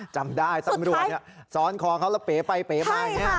จำได้สิบท้ายซ้อนคอแล้วเสียงไปเผยบ้าง